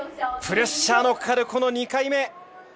プレッシャーのかかる２回目。